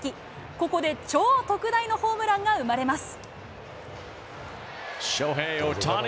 ここで超特大のホームランが生まれます。